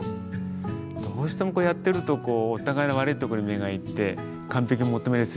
どうしてもこうやってるとこうお互いの悪いとこに目がいって完璧求めすぎるとこがあるんで。